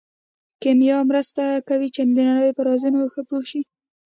کیمیا مرسته کوي چې د نړۍ په رازونو ښه پوه شو.